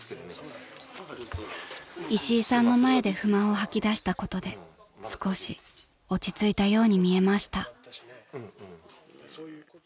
［石井さんの前で不満を吐き出したことで少し落ち着いたように見えました］